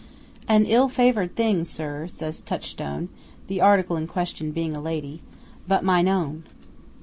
"AN ill favoured thing, sir." says Touchstone (the article in question being a lady); "but mine own."